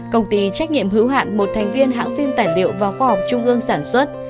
công ty trách nhiệm hữu hạn một thành viên hãng phim tài liệu và khoa học trung ương sản xuất